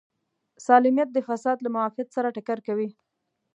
سالمیت د فساد له معافیت سره ټکر کوي.